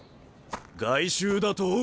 外周だとぅ？